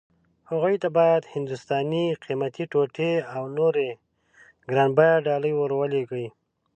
هغوی ته باید هندوستاني قيمتي ټوټې او نورې ګران بيه ډالۍ ور ولېږي.